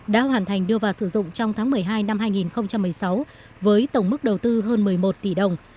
đã hoàn thành đưa vào sử dụng trong tháng một mươi hai năm hai nghìn một mươi sáu với tổng mức đầu tư hơn một mươi một tỷ đồng